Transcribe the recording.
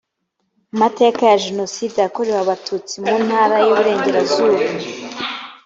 mateka ya jenoside yakorewe abatutsi mu ntara y iburengerazuba